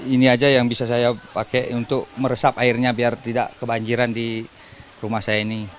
ini aja yang bisa saya pakai untuk meresap airnya biar tidak kebanjiran di rumah saya ini